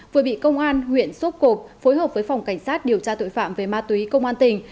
vừa bị công an huyện sốp cộp phối hợp với phòng cảnh sát điều tra tội phạm về ma túy công an tỉnh